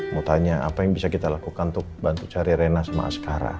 mau tanya apa yang bisa kita lakukan untuk bantu cari rena sama sekarang